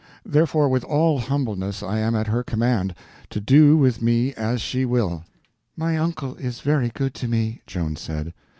Therefore with all humbleness I am at her command, to do with me as she will." "My uncle is very good to me," Joan said.